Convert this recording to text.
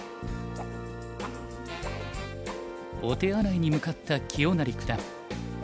お手洗いに向かった清成九段。